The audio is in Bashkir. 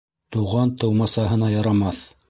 Туған тыумасаһына ярамаҫ.